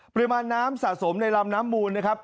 ปริมาณน้ำสะสมในลำน้ำมูลนะครับ